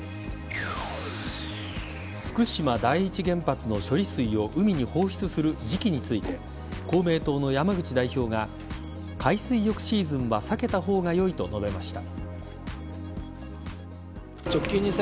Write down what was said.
福島第一原発の処理水を海に放出する時期について公明党の山口代表が海水浴シーズンは避けた方がよいと述べました。